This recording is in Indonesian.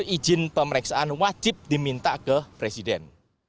izin pemeriksaan wajib diminta ke presiden